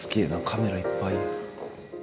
カメラいっぱい。